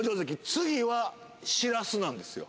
次はしらすなんですよ